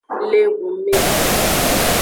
Le ehunme.